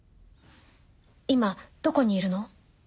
今どこにいるの？